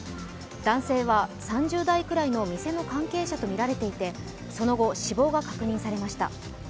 男性は３０代くらいの店の関係者とみられていてその後、死亡が確認されました。